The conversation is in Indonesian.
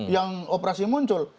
yang operasi muncul